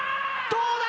どうだ！？